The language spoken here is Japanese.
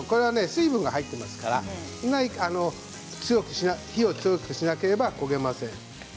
水分が入っているので火を強くしなければ焦げません。